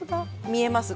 見えます？